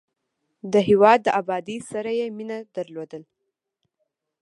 د هېواد د ابادۍ سره یې مینه درلودل.